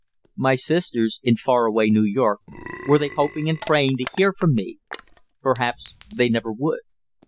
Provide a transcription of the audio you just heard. My sisters in far away New York, were they hoping and praying to hear from me? Perhaps they never would.